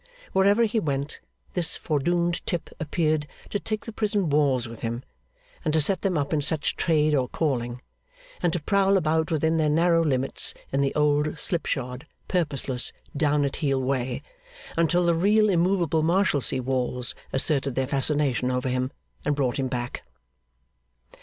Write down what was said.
Wherever he went, this foredoomed Tip appeared to take the prison walls with him, and to set them up in such trade or calling; and to prowl about within their narrow limits in the old slip shod, purposeless, down at heel way; until the real immovable Marshalsea walls asserted their fascination over him, and brought him back.